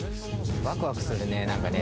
ワクワクするね。